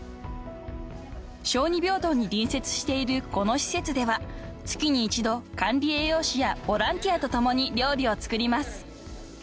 ［小児病棟に隣接しているこの施設では月に一度管理栄養士やボランティアと共に料理を作ります］